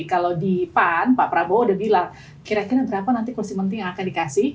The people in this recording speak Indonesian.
kalau di pan pak prabowo udah bilang kira kira berapa nanti kursi menteri yang akan dikasih